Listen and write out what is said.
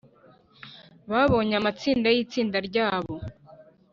babonye amatsinda yitsinda ryabo